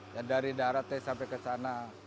ya dari daratnya sampai ke sana